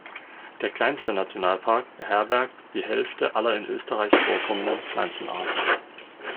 Der kleinste Nationalpark beherbergt die Hälfte aller in Österreich vorkommenden Pflanzenarten.